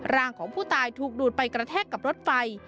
ร่างของผู้ตายถูกดูดไปกระแทกกับรถไฟ